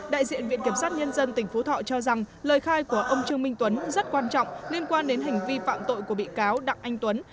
đại diện viện kiểm sát nhân dân tỉnh phú thọ cho rằng lời khai của ông trương minh tuấn rất quan trọng liên quan đến hành vi phạm tội của bị cáo đặng anh tuấn